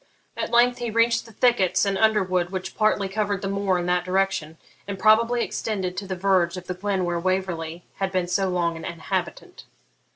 At length he reached the thickets and underwood which partly covered the moor in that direction, and probably extended to the verge of the glen where Waverley had been so long an inhabitant.